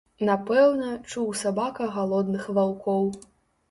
Напэўна, чуў сабака галодных ваўкоў.